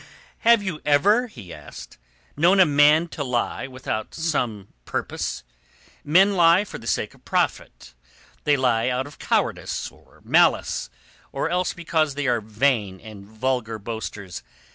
"Have you ever," he asked, "known a man to lie without some purpose? Men lie for the sake of profit, they lie out of cowardice or malice, or else because they are vain and vulgar boasters.